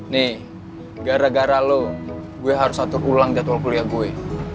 nih gara gara lo gue harus atur ulang jadwal kuliah gue